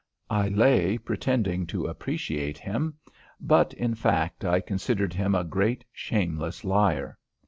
I lay pretending to appreciate him, but in fact I considered him a great shameless liar.